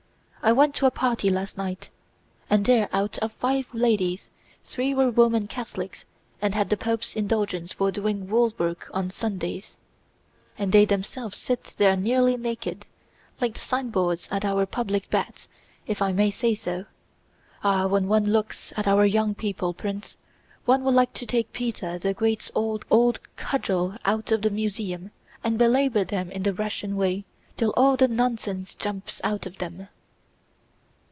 I went to a party last night, and there out of five ladies three were Roman Catholics and had the Pope's indulgence for doing woolwork on Sundays. And they themselves sit there nearly naked, like the signboards at our Public Baths if I may say so. Ah, when one looks at our young people, Prince, one would like to take Peter the Great's old cudgel out of the museum and belabor them in the Russian way till all the nonsense jumps out of them."